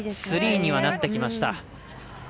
スリーにはなってきました。